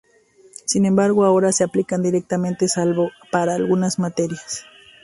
Sin embargo, ahora se aplican directamente, salvo para algunas materias.